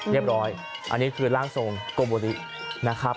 เรียบร้อยอันนี้คือร่างทรงกลมโบรินะครับ